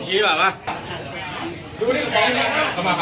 จุดการรับจุดการ